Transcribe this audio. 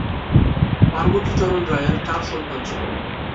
পার্বতী চরণ রায়ের চার সন্তান ছিল।